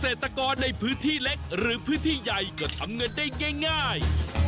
เกษตรกรในพื้นที่เล็กหรือพื้นที่ใหญ่ก็ทำเงินได้ง่าย